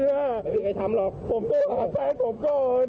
เราปฏิเสธได้ไม่เป็นไรเดี๋ยวเบื้องต้น